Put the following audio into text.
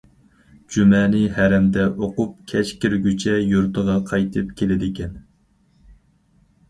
جۈمەنى ھەرەمدە ئوقۇپ، كەچ كىرگۈچە يۇرتىغا قايتىپ كېلىدىكەن.